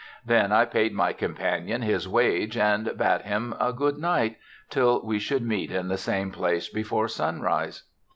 Then I paid my companion his wage, and bade him a good night, till we should meet in the same place before sunrise.